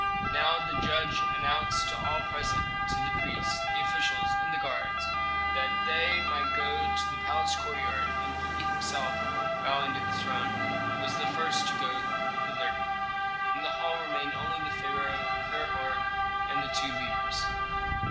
Now the judge announced to all present to the priests, the officials, and the guards that they might go to the palace courtyard; and he himself, bowing to the throne, was the first to go thither. In the hall remained only the pharaoh, Herhor, and the two leaders.